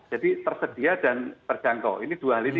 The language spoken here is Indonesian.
tersedia dan terjangkau ini dua hal ini